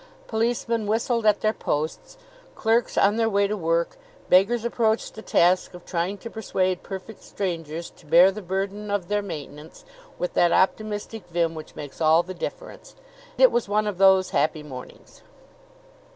Policemen whistled at their posts clerks, on their way to work; beggars approached the task of trying to persuade perfect strangers to bear the burden of their maintenance with that optimistic vim which makes all the difference. It was one of those happy mornings.